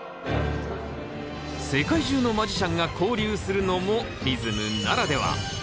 世界中のマジシャンが交流するのもＦＩＳＭならでは。